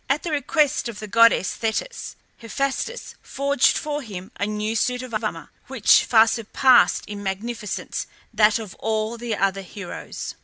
At the request of the goddess Thetis, Hephaestus forged for him a new suit of armour, which far surpassed in magnificence that of all the other heroes.